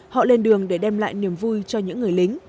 họ lên đường để đem lại niềm vui cho những người lính